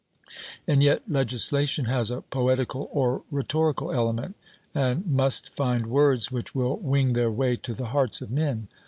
And yet legislation has a poetical or rhetorical element, and must find words which will wing their way to the hearts of men.